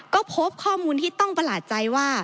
ก็พบข้อมูลที่ต้องประหลาดใจว่า